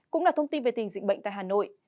cũng là thông tin về tình dịch bệnh tại hà nội